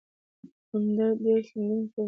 اندړ ډير سنګين قوم دی